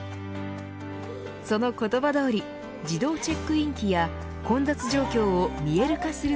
その言葉どおり自動チェックイン機や混雑状況を見える化する